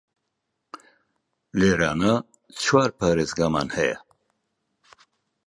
لێرانە چوار پاریزگامان هەیە